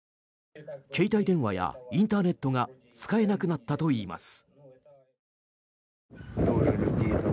携帯電話やインターネットが使えなくなったといいます。